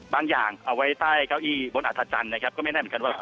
อย่างเอาไว้ใต้เก้าอี้บนอัธจันทร์นะครับก็ไม่ได้เหมือนกันว่า